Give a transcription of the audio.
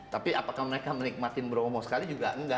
tapi apakah mereka menikmati bromo sekali juga enggak